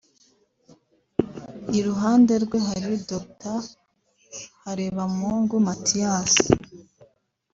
iruhande rwe hari Dr Harebamungu Mathias